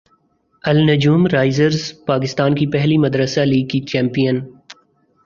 النجوم Risers Pakistan کی پہلی مدرسہ لیگ کی چیمپیئن